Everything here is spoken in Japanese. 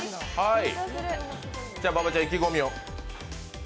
馬場ちゃん、意気込みを。